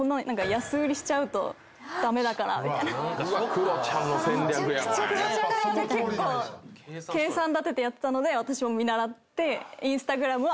クロちゃん側が結構計算立ててやってたので私も見習って。